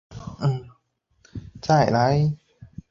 待整理